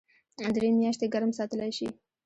درې میاشتې ګرم ساتلی شي .